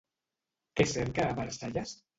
Què cerca a Versalles?